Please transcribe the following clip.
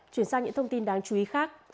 chuyển sang những thông tin đáng chú ý khác